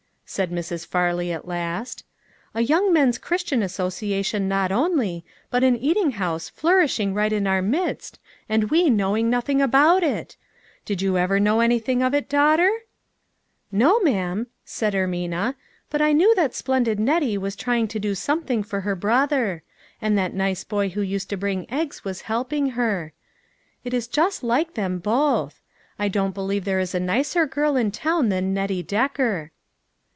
said Mrs. Farley at last. "A young men's Christian association not only, but an eating house flour ishing right in our midst and we knowing noth ing about it. Did you know anything of it, daughter ?" "No, ma'am," said Ermina. "But I knew that splendid Nettie was trying to do something for her brother ; and that nice boy who used to TOO GOOD TO BE TBtTE. 895 bring eggs was helping her ; it is just like them both. I don't believe there is a nicer girl in town than Nettie Decker."